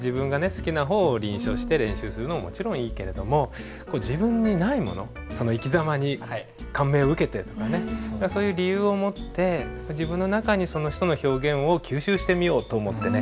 好きな方を臨書して練習するのももちろんいいけれども自分にないものその生きざまに感銘を受けてとかねそういう理由を持って自分の中にその人の表現を吸収してみようと思ってね